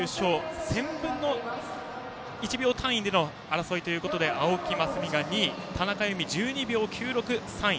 １０００分の１秒単位での争いということで青木益未が２位田中佑美、１２秒９６で３位。